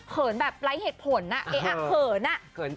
เขินแบบไร้เหตุผลอะเอ๊ะเขินอะ